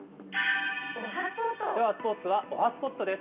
ではスポーツは、おはＳＰＯＴです。